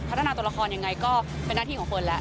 พัฒนาตัวละครยังไงก็เป็นหน้าที่ของเฟิร์นแล้ว